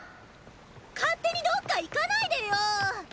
勝手にどっか行かないでよォ。